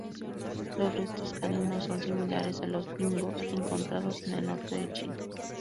Los restos caninos son similares a los Dingos encontrados en el norte de China.